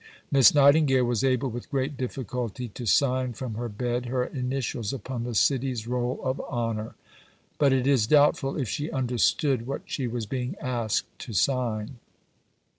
Miss Nightingale was able with great difficulty to sign from her bed her initials upon the City's roll of honour, but it is doubtful if she understood what she was being asked to sign.